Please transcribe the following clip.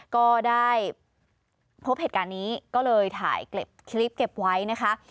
ก็ได้พบเหตุการณ์นี้ก็เลยถ่ายคลิปเก็บไว้นะคะ